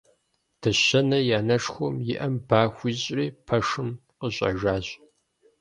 Дыщэнэ и анэшхуэм и Ӏэм ба хуищӀри, пэшым къыщӀэжащ.